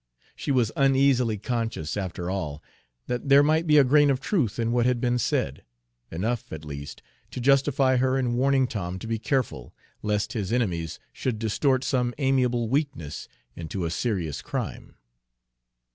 She was uneasily conscious, after all, that there might be a grain of truth in what had been said, enough, at least, to justify her in warning Tom to be careful, lest his enemies should distort some amiable weakness into a serious crime.